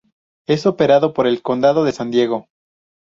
Es operado por el condado de San Diego.